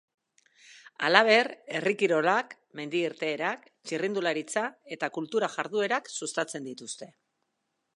Halaber, herri kirolak, mendi-irteerak, txirrindularitza eta kultura jarduerak sustatzen dituzte.